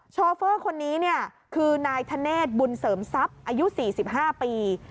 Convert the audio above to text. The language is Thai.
โชเฟอร์คนนี้คือนายธเนธบุญเสริมทรัพย์อายุ๔๕ปี